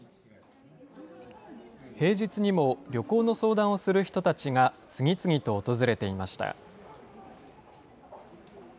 平日にも旅行の相談をする人たちが次々と訪れていました。